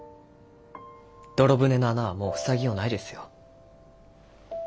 泥船の穴はもう塞ぎようないですよ。